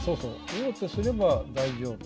王手すれば大丈夫。